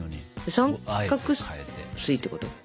三角すいってこと？